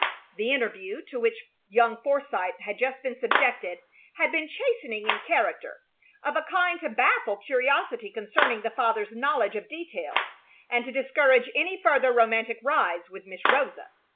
The interview to which young Forsythe had just been subjected had been chastening in character, of a kind to baffle curiosity concerning the father's knowledge of details, and to discourage any further romantic rides with Miss Rosa.